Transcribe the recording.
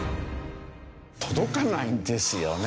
届かないんですよね。